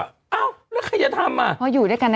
อ้าวแล้วใครจะทำอ่ะ